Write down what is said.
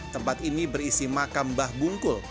tempat ini berisi makam mbah bungkul